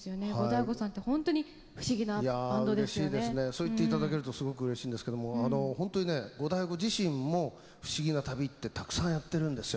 そう言っていただけるとすごくうれしいんですけども本当にねゴダイゴ自身も不思議な旅ってたくさんやってるんですよ。